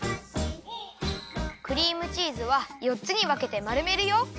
クリームチーズはよっつにわけてまるめるよ。